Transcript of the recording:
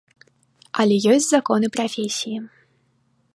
Але ёсць законы прафесіі.